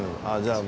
ああ！